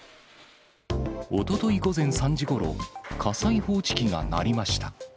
おととい午前３時ごろ、火災報知機が鳴りました。